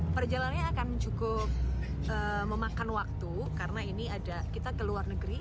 perjalannya akan cukup memakan waktu karena ini ada kita ke luar negeri